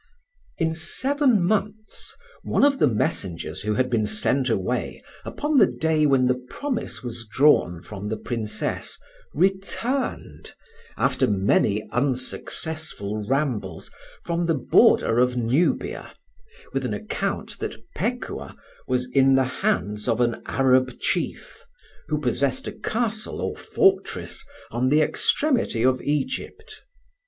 IN seven mouths one of the messengers who had been sent away upon the day when the promise was drawn from the Princess, returned, after many unsuccessful rambles, from the borders of Nubia, with an account that Pekuah was in the hands of an Arab chief, who possessed a castle or fortress on the extremity of Egypt.